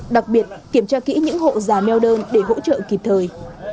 đặc biệt kiểm tra kỹ những hộ giả meo đơn để hỗ trợ kịp thời